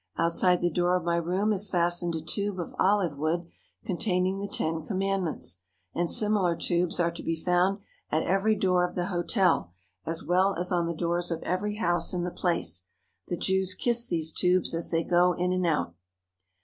Out side the door of my room is fastened a tube of olive wood containing the Ten Commandments, and similar tubes are to be found at every door of the hotel, as well as on the doors of every house in the place. The Jews kiss these tubes as they go in and out.